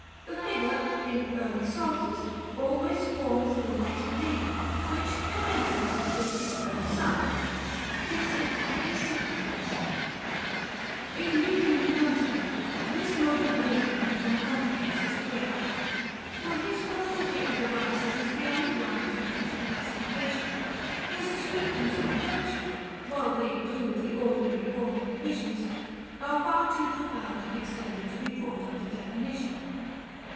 The figure, in early Psalters, always forms the letter D, which commences the fifty third Psalm, "Dixit insipiens." § LVII. In reading Dante, this mode of reasoning from contraries is a great help, for his philosophy of the vices is the only one which admits of classification; his descriptions of virtue, while they include the ordinary formal divisions, are far too profound and extended to be brought under definition.